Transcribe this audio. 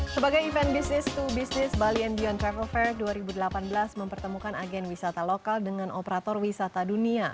sebagai event business to business bali and beyond travel fair dua ribu delapan belas mempertemukan agen wisata lokal dengan operator wisata dunia